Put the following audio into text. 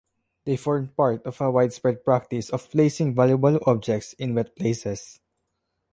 They formed part of a widespread practice of placing valuable objects in wet places.